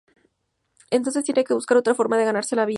Entonces tienen que buscar otra forma de ganarse la vida.